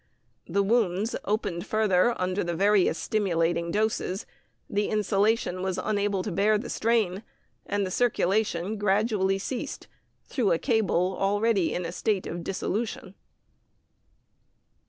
The wounds opened farther under the various stimulating doses; the insulation was unable to bear the strain, and the circulation gradually ceased through a cable already in a state of dissolution.